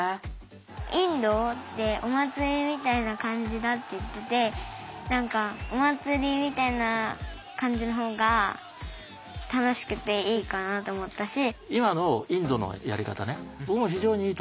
インドってお祭りみたいな感じだって言ってて何かお祭りみたいな感じの方が楽しくていいかなと思ったし。